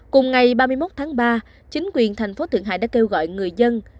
cùng ngày ba mươi một tháng ba chính quyền thành phố thượng hải đã kêu gọi người dân